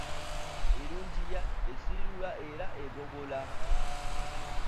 "Erungiya, esiiruula' era egogola."